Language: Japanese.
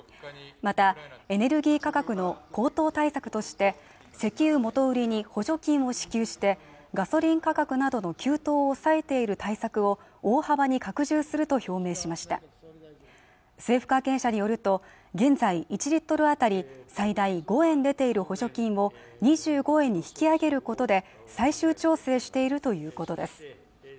またエネルギー価格の高騰対策として石油元売りに補助金を支給してガソリン価格などの急騰を抑えている対策を大幅に拡充すると表明しました政府関係者によると現在１リットル当たり最大５円出ている補助金を２５円に引き上げることで最終調整しているということです